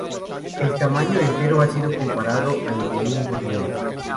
El tamaño entero ha sido comparado al de un gorrión.